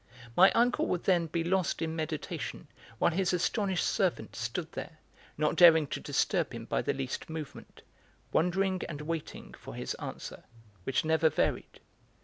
My uncle would then be lost in meditation, while his astonished servant stood there, not daring to disturb him by the least movement, wondering and waiting for his answer, which never varied.